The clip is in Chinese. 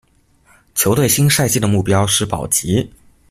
球队新赛季的目标是保级。